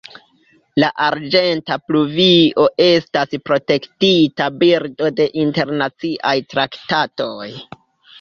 La arĝenta pluvio estas protektita birdo de internaciaj traktatoj.